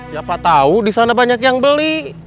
siapa tahu di sana banyak yang beli